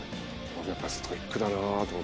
やっぱストイックだなと思って。